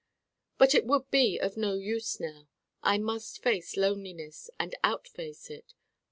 But it would be of no use now. I must face Loneliness: and outface it.